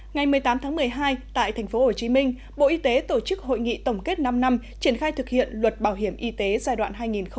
ngày một mươi tám tháng một mươi hai tại tp hcm bộ y tế tổ chức hội nghị tổng kết năm năm triển khai thực hiện luật bảo hiểm y tế giai đoạn hai nghìn một mươi hai hai nghìn hai mươi